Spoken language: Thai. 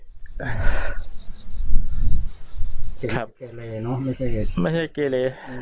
ครับไม่ใช่เกรล